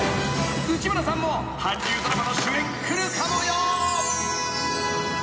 ［内村さんも韓流ドラマの主演来るかもよ］